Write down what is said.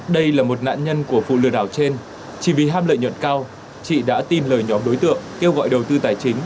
đây là một nạn nhân của vụ lừa đảo trên chỉ vì ham lợi nhuận cao chị đã tin lời nhóm đối tượng kêu gọi đầu tư tài chính